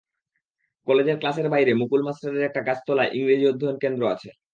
কলেজের ক্লাসের বাইরে মুকুল মাস্টারের একটা গাছতলায় ইংরেজি অধ্যয়ন কেন্দ্র আছে।